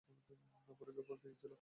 ফটোগ্রাফারটা কী ছিল?